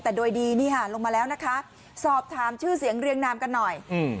แต่โดยดีนี่ค่ะลงมาแล้วนะคะสอบถามชื่อเสียงเรียงนามกันหน่อยอืม